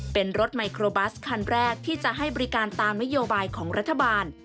เป็นรถไมโครบัสคันแรกที่จะให้บริการตามนโยบายของรัฐบาล